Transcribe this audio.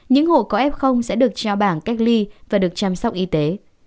những hộ có f sẽ được trao bảng cách ly và được chăm sóc y tế